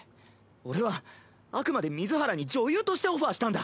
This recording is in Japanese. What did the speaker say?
俺はあくまで水原に女優としてオファーしたんだ。